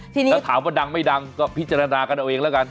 ทีนี้แล้วถามว่าดังไม่ดังก็พิจารณากันเอาเองแล้วกัน